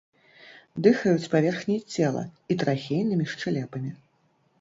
Дыхаюць паверхняй цела і трахейнымі шчэлепамі.